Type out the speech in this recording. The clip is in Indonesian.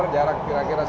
jarak kira kira satu km